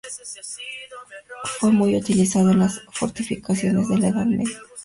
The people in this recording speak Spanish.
Fue muy utilizado en las fortificaciones de la Edad Media.